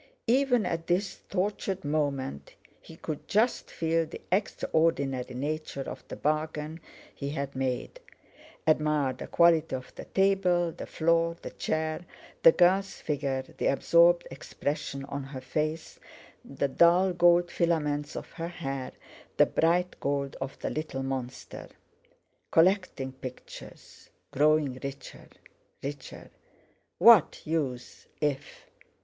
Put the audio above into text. Even at this tortured moment he could just feel the extraordinary nature of the bargain he had made—admire the quality of the table, the floor, the chair, the girl's figure, the absorbed expression on her face, the dull gold filaments of her hair, the bright gold of the little monster. Collecting pictures; growing richer, richer! What use, if...!